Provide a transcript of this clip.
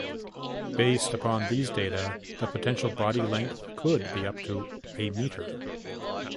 Based upon these data, the potential body length could be up to a metre.